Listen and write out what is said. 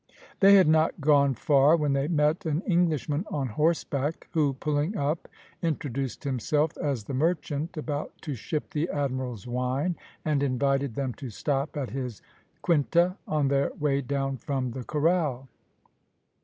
They had not gone far when they met an Englishman on horse back, who, pulling up, introduced himself as the merchant about to ship the admiral's wine, and invited them to stop at his quinta, on their way down from the Corral.